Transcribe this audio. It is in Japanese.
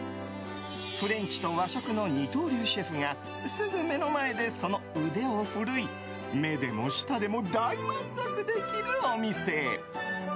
フレンチと和食の二刀流シェフがすぐ目の前で、その腕を振るい目でも舌でも大満足できるお店。